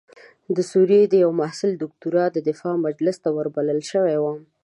د سوریې د یوه محصل د دکتورا د دفاع مجلس ته وربلل شوی وم.